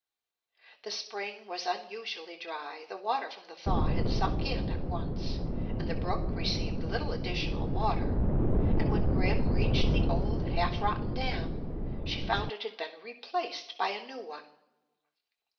The spring was unusually dry; the water from the thaw had sunk in at once, and the brook received little additional water; and when Grim reached the old, half rotten dam, she found it had been replaced by a new one.